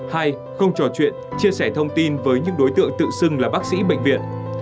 hai không trò chuyện chia sẻ thông tin với những đối tượng tự xưng là bác sĩ bệnh viện